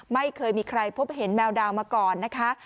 ไม่เคยมีใครพบเห็นแมวดาวมาก่อนนะคะ